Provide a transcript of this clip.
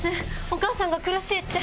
お母さんが苦しいって。